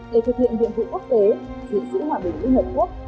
để thực hiện nhiệm vụ quốc tế giữ sự hòa bình với hợp quốc